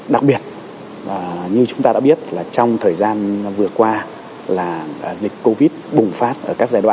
đặc biệt như chúng ta đã biết là trong thời gian vừa qua là dịch covid bùng phát ở các giai đoạn